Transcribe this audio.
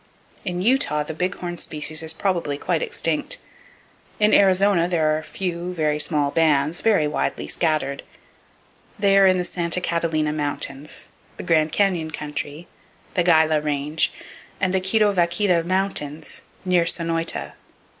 In Utah, the big horn species is probably quite extinct. In Arizona, there are a few very small bands, very widely scattered. They are in the Santa Catalina Mountains, the Grand Canyon country, the Gila Range, and [Page 162] the Quitovaquita Mountains, near Sonoyta.